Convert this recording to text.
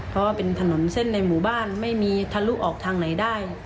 เพราะว่าเป็นถนนเส้นในหมู่บ้านไม่มีทะลุออกทางไหนได้